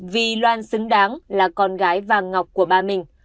vì loan xứng đáng là con gái vàng ngọc của ba mình